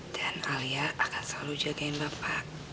dan alia akan selalu jagain bapak